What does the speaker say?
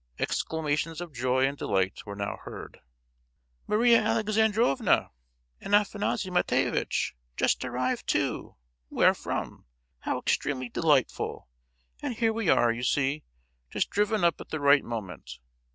Exclamations of joy and delight were now heard. "Maria Alexandrovna! and Afanassy Matveyevitch! Just arrived, too! Where from? How extremely delightful! And here we are, you see, just driven up at the right moment.